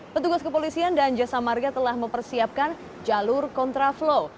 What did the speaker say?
petugas kepolisian dan jasa marga telah mempersiapkan jalur kontraflow